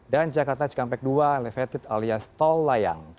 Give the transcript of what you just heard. dan jakarta cikampek dua levetit alias tol layang